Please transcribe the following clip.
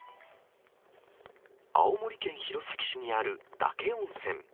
青森県弘前市にある嶽温泉。